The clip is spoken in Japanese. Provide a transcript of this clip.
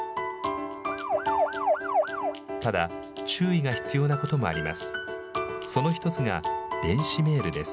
ただ、注意が必要なこともあります。